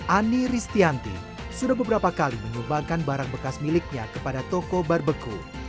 ani ristianti sudah beberapa kali menyumbangkan barang bekas miliknya kepada toko barbeku